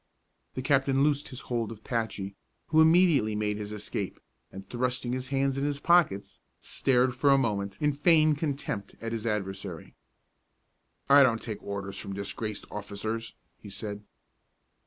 The captain loosed his hold of Patchy, who immediately made his escape, and thrusting his hands in his pockets, stared for a moment in feigned contempt at his adversary. "I don't take orders from disgraced officers!" he said.